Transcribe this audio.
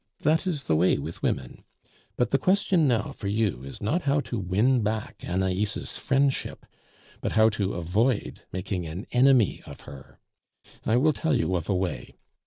That is the way with women. But the question now for you is not how to win back Anais' friendship, but how to avoid making an enemy of her. I will tell you of a way.